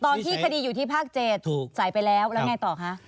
ตอนที่คดีอยู่ที่ภาค๗สายไปแล้วแล้วไงต่อคะ